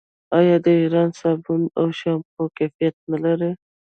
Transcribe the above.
آیا د ایران صابون او شامپو کیفیت نلري؟